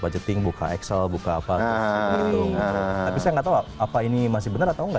yeah mas amir nah